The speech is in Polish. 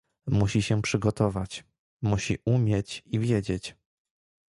"Musi się przygotować, musi umieć i wiedzieć."